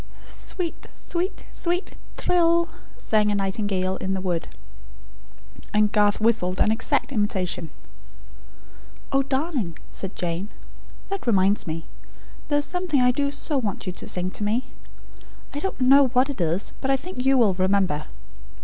"Sweet, sweet, sweet thrill," sang a nightingale in the wood. And Garth whistled an exact imitation. "Oh, darling," said Jane, "that reminds me; there is something I do so want you to sing to me. I don't know what it is; but I think you will remember.